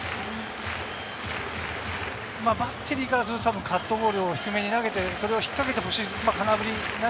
バッテリーからするとカットボールを低めに投げてそれを引っかけてほしい。